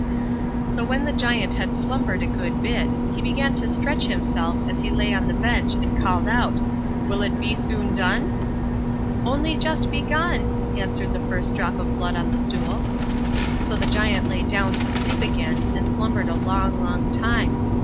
So when the Giant had slumbered a good bit, he began to stretch himself as he lay on the bench and called out, "Will it be soon done?" "Only just begun", answered the first drop of blood on the stool. So the Giant lay down to sleep again, and slumbered a long, long time.